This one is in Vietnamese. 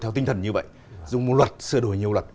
theo tinh thần như vậy dùng một luật sửa đổi nhiều luật